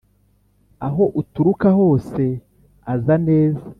aho uturuka hose aza neza